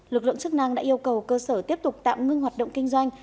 lực lượng chức năng đã yêu cầu cơ sở tiếp tục tạm ngưng hoạt động kinh doanh